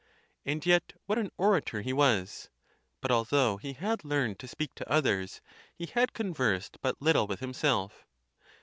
and yet what an orator he was! But although he had learned to speak to others, he had conversed but lit tle with himself.